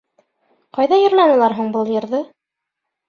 Ҡайҙа йырланылар һуң был йырҙы?